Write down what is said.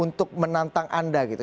untuk menantang anda gitu